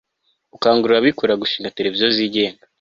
gukangurira abikorera gushinga television zigenga